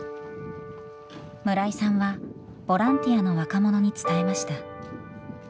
村井さんはボランティアの若者に伝えました。